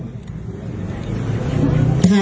ไปถ่ายรูปครอบครัว